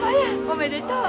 おめでとう。